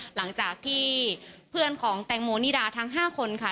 หลังจากที่เพื่อนของแตงโมนิดาทั้ง๕คนค่ะ